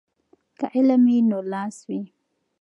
که علم وي نو لاس وي.